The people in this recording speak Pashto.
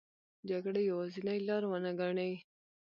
جګړه یوازینې لار ونه ګڼي.